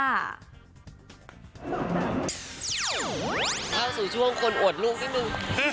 เท่าสู่ช่วงคนอดลูกพี่นุ่ม